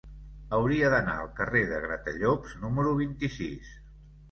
Hauria d'anar al carrer de Gratallops número vint-i-sis.